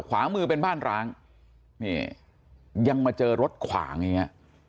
ขวามือเป็นบ้านร้างนี่ยังมาเจอรถขวางอย่างเงี้ย